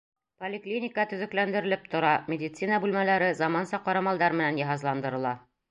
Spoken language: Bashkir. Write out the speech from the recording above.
Поликлиника төҙөкләндерелеп тора, медицина бүлмәләре заманса ҡорамалдар менән йыһазландырыла.